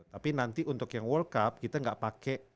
tapi nanti untuk yang world cup kita gak pake